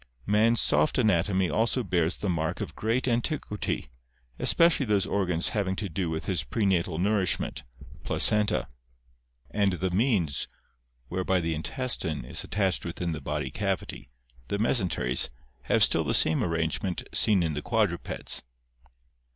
— Man's soft anatomy also bears the mark of great antiquity, especially those organs having to do with his pre natal nourishment (placenta). And the means whereby the intestine THE EVOLUTION OF MAN 655 is attached within the body cavity, the mesenteries, have still the same arrangement seen in the quadrupeds.